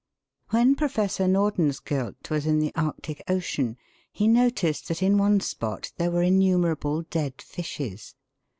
WHEN Professor Nordenskjold was in the Arctic Ocean he noticed that in one spot there were innumer able dead fishes.